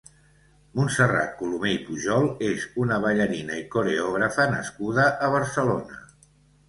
Montserrat Colomé i Pujol és una baillarina i coreògrafa nascuda a Barcelona.